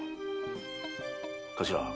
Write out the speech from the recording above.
頭。